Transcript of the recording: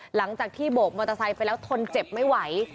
หลังจากที่โบกมอเตอร์ไซค์ไปแล้วทนเจ็บไม่ไหว